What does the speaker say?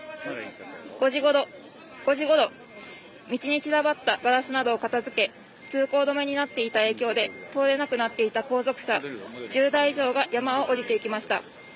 ５時ごろ、道に散らばったガラスなどを片付け通行止めになっていた影響で通れなくなっていた後続車、１０台以上が山を下りていきました。